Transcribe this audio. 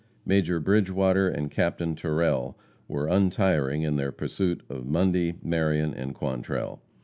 Major Bridgewater and Captain Terrell were untiring in their pursuit of Mundy, Marion and Quantrell.